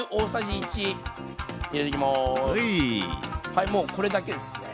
はいもうこれだけですね。